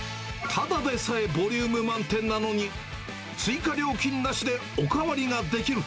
ただでさえボリューム満点なのに、追加料金なしでお代わりができる